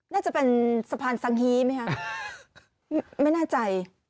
น่าจะเป็นสะพานสังฮีไหมคะไม่แน่ใจ